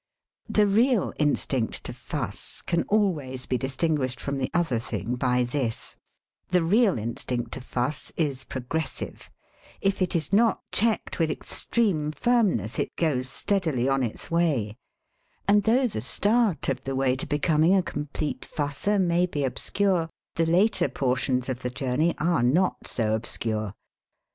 The real instinct to fuss can always be dis tinguished from the other thing by this — ^the real instinct to fuss is progressive. If it is not checked with extreme firmness it goes steadily on its way. And though the start of the way to becoming a complete f usser may be obscure, the later portions of the journey are not so obscure.